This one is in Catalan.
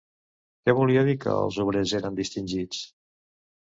Què volia dir que els obrers eren distingits?